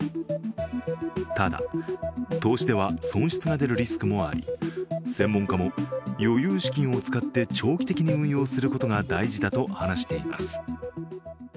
ただ、投資では損失が出るリスクもあり、専門家も余裕資金を使って長期的に運用することが大事だと話しています。